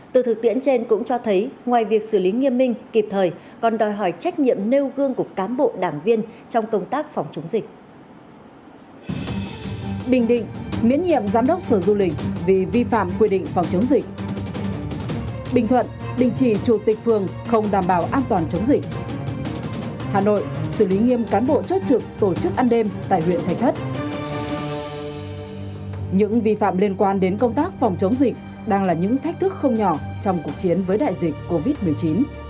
từ thực tiễn trên cũng cho thấy ngoài việc xử lý nghiêm minh kịp thời còn đòi hỏi trách nhiệm nêu gương của cán bộ đảng viên trong công tác phòng chống dịch